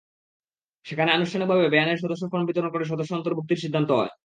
সেখানে আনুষ্ঠানিকভাবে বোয়ানের সদস্য ফরম বিতরণ করে সদস্য অন্তর্ভুক্তির সিদ্ধান্ত হয়।